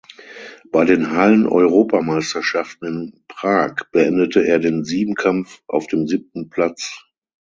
Bei den Halleneuropameisterschaften in Prag beendete er den Siebenkampf auf dem siebten Platz.